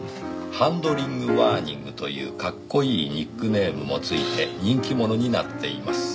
「ハンドリング・ワーニングというかっこいいニックネームもついて人気者になっています」